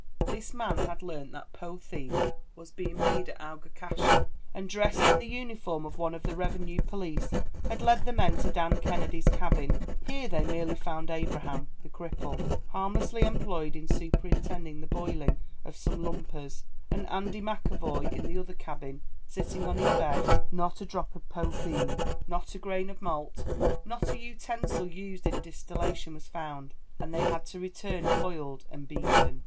This man had learnt that potheen was being made at Aughacashel, and, dressed in the uniform of one of the Revenue police, had led the men to Dan Kennedy's cabin. Here they merely found Abraham, the cripple, harmlessly employed in superintending the boiling of some lumpers, and Andy McEvoy in the other cabin, sitting on his bed; not a drop of potheen not a grain of malt not a utensil used in distillation was found, and they had to return foiled and beaten.